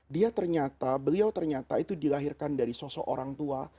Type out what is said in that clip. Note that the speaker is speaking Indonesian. dia ternyata beliau ternyata itu dilahirkan dari sosok orang tua